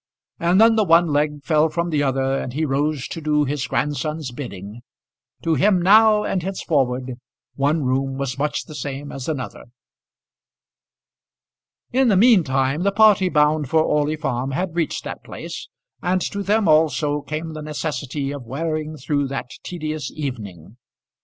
And then the one leg fell from the other, and he rose to do his grandson's bidding. To him now and henceforward one room was much the same as another. In the mean time the party bound for Orley Farm had reached that place, and to them also came the necessity of wearing through that tedious evening.